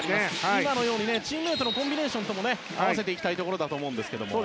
今のようにチームメートとのコンビネーションも合わせていきたいところですね。